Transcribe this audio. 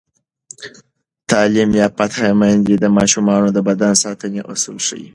تعلیم یافته میندې د ماشومانو د بدن ساتنې اصول ښيي.